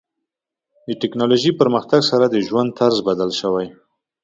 ټکنالوژي پرمختګ سره د ژوند طرز بدل شوی.